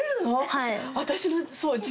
はい。